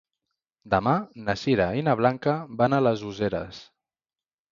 Demà na Sira i na Blanca van a les Useres.